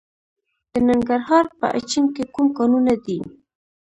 د ننګرهار په اچین کې کوم کانونه دي؟